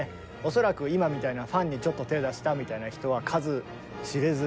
恐らく今みたいなファンにちょっと手出したみたいな人は数知れず。